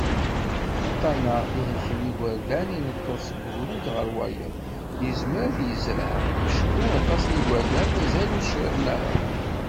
Aṭṭan-a, ihelken yigerdan, ineṭṭeḍ seg ugrud ɣer wayeḍ, yezmer ad yezreɛ, acku aṭas n yigerdan mazal ur criḍen ara.